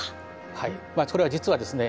はいそれは実はですね